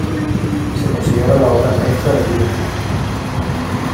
Se considera la obra maestra del grupo.